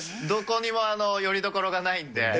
どこにもよりどころがないんで。